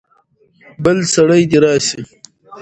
بل سړی دې راسي.